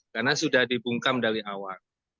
karena sudah dibungkam dari awal